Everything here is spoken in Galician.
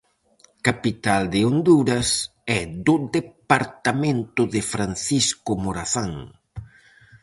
Capital de Honduras e do departamento de Francisco Morazán.